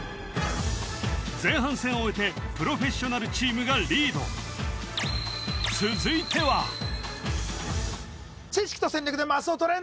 前半戦を終えてプロフェッショナルチームがリード続いては知識と戦略でマスを取れ！